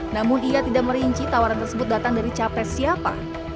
namun ia tidak merinci tawaran tersebut datang dari capres siapa